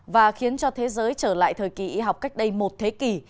và khiến cho thế giới trở lại thời kỳ y học cách đây một thế kỷ